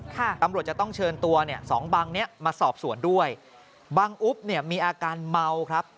ตำรวจจะต้องเชิญตัวเนี่ยสองบังเนี้ยมาสอบสวนด้วยบังอุ๊บเนี่ยมีอาการเมาครับ